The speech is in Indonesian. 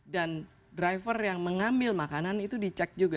dan driver yang mengambil makanan itu dicek juga